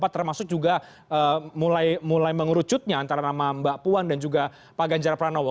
termasuk juga mulai mengerucutnya antara nama mbak puan dan juga pak ganjar pranowo